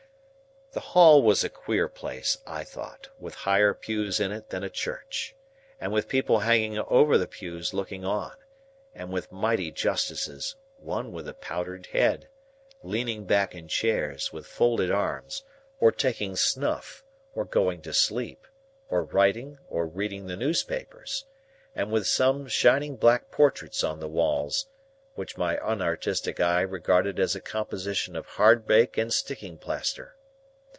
The Hall was a queer place, I thought, with higher pews in it than a church,—and with people hanging over the pews looking on,—and with mighty Justices (one with a powdered head) leaning back in chairs, with folded arms, or taking snuff, or going to sleep, or writing, or reading the newspapers,—and with some shining black portraits on the walls, which my unartistic eye regarded as a composition of hardbake and sticking plaster.